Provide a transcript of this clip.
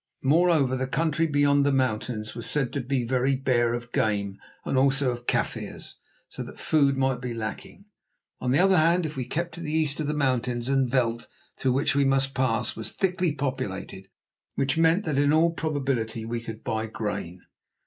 Moreover, the country beyond the mountains was said to be very bare of game and also of Kaffirs, so that food might be lacking. On the other hand, if we kept to the east of the mountains the veld through which we must pass was thickly populated, which meant that in all probability we could buy grain.